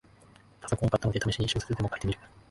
パソコンを買ったので、ためしに小説でも書いてみる